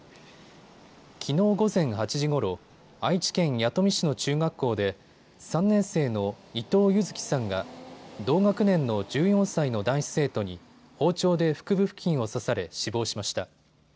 きのう午前８時ごろ愛知県弥富市の中学校で３年生の伊藤柚輝さんが同学年の１４歳の男子生徒に包丁で腹部付近を刺され死亡しました。